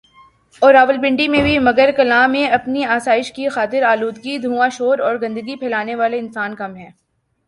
اور راولپنڈی میں بھی مگر کلاں میں اپنی آسائش کی خاطر آلودگی دھواں شور اور گندگی پھیلانے والے انسان کم ہیں